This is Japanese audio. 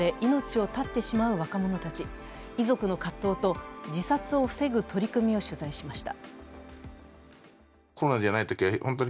遺族の葛藤と自殺を防ぐ取り組みを取材しました。